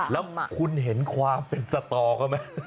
แล้วคุณเห็นความเป็นสตอเขาไหม